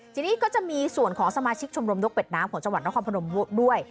ทีนี้ก็จะมีส่วนของสมาชิกชมรมนกเป็ดน้ำของจังหวัดนครพนมด้วย